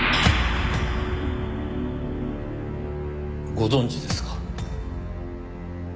ご存じですか？